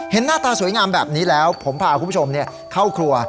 หน้าตาสวยงามแบบนี้แล้วผมพาคุณผู้ชมเข้าครัว